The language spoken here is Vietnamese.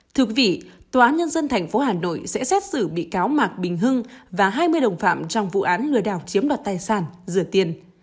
thưa quý vị tòa án nhân dân tp hà nội sẽ xét xử bị cáo mạc bình hưng và hai mươi đồng phạm trong vụ án lừa đảo chiếm đoạt tài sản rửa tiền